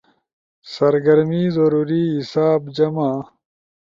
سرگرمی- ضروری- حساب- جمع=